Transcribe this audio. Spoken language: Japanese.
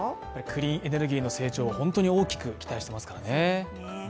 クリーンエネルギーの成長、本当に大きく期待していますからね。